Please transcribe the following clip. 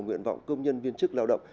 nguyện vọng công nhân viên chức lao động